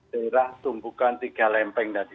kira sumbukan tiga lempeng tadi